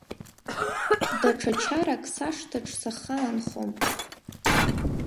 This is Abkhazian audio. Даҽа чарак сашҭаҿ сахаанхом.